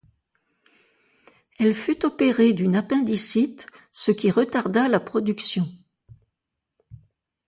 Elle fut opérée d'une appendicite, ce qui retarda la production.